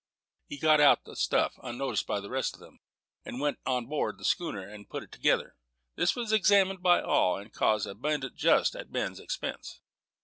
He had got out the stuff unnoticed by the rest of them, and then went on board the schooner and put it together. This was examined by all, and caused abundant jests at Ben's expense.